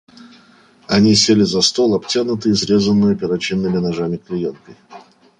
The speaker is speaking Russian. Они сели за стол, обтянутый изрезанною перочинными ножами клеенкой.